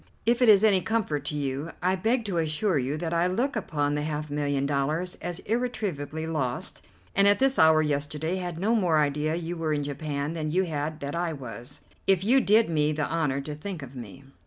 If it is any comfort to you, I beg to assure you that I look upon the half million dollars as irretrievably lost, and at this hour yesterday had no more idea you were in Japan than you had that I was, if you did me the honour to think of me."